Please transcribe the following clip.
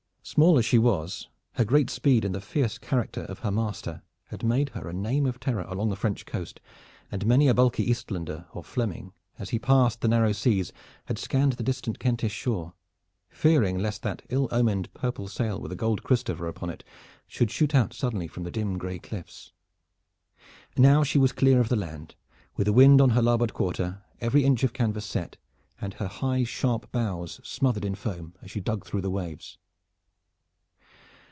Small as she was, her great speed and the fierce character of her master had made her a name of terror along the French coast, and many a bulky Eastlander or Fleming as he passed the narrow seas had scanned the distant Kentish shore, fearing lest that ill omened purple sail with a gold Christopher upon it should shoot out suddenly from the dim gray cliffs. Now she was clear of the land, with the wind on her larboard quarter, every inch of canvas set, and her high sharp bows smothered in foam, as she dug through the waves.